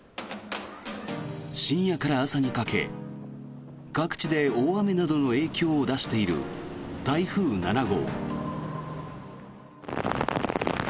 深夜から朝にかけ、各地で大雨などの影響を出している台風７号。